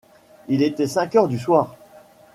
Il était cinq heures du soir.